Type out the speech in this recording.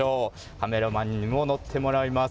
カメラマンにも乗ってもらいます。